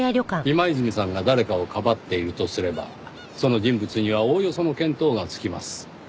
今泉さんが誰かをかばっているとすればその人物にはおおよその見当がつきます。